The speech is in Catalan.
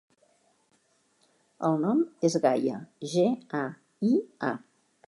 El nom és Gaia: ge, a, i, a.